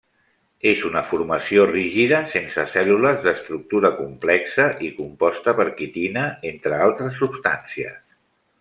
És una formació rígida, sense cèl·lules, d'estructura complexa i composta per quitina, entre altres substàncies.